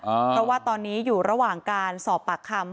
เพราะว่าตอนนี้อยู่ระหว่างการสอบปากคำ